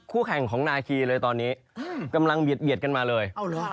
คู่แข่งของนาฑีเลยตอนนี้ตอนนี้กำลังเบียดกันมาเลย